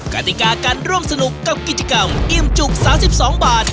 กติกาการร่วมสนุกกับกิจกรรมอิ่มจุก๓๒บาท